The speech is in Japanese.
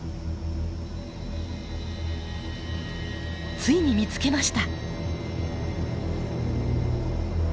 ついに見つけました。